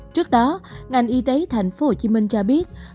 trước đó ngành y tế tp hcm cho biết